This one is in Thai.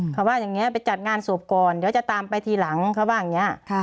เขาว่าอย่างนี้ไปจัดงานศพก่อนเดี๋ยวจะตามไปทีหลังเขาว่าอย่างนี้